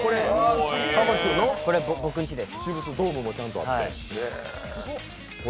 これ、僕んちです。